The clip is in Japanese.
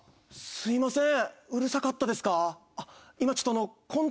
すみません。